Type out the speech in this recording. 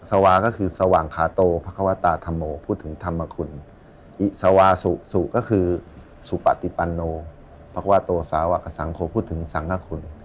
สวาก็คือสว่างคาโตพระควตาธรรมโมพูดถึงธรรมคุณอิสวาสุสุก็คือสุปติปันโนพักวาโตสาวกับสังคมพูดถึงสังคคุณ